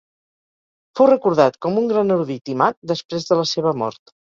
Fou recordat com un gran erudit i mag després de la seva mort.